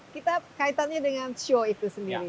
kita kaitannya dengan show itu sendiri